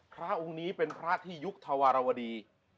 พระองค์นี้เป็นพระที่ยุคธวรวดี